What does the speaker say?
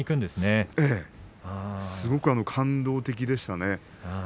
すごく感動的でしたね。